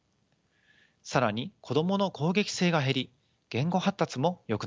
更に子どもの攻撃性が減り言語発達もよくなりました。